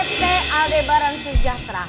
pt aldebaran sejahtera